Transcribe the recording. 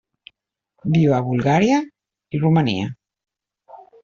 Viu a Bulgària i Romania.